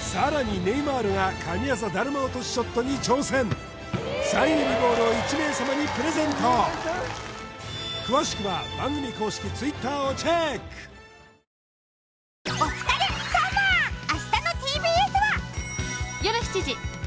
さらにネイマールが神業だるま落としショットに挑戦サイン入りボールを１名様にプレゼント詳しくは番組公式Ｔｗｉｔｔｅｒをチェックあぃ！